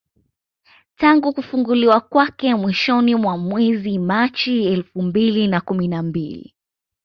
Tangu kufunguliwa kwake mwishoni mwa mwezi Machi elfu mbili na kumi na mbili